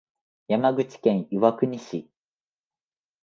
山口県岩国市